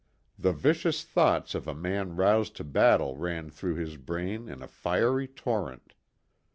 The vicious thoughts of a man roused to battle ran through his brain in a fiery torrent.